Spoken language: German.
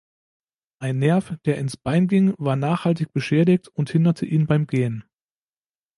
Ein Nerv, der ins Bein ging, war nachhaltig beschädigt und hinderte ihn beim Gehen.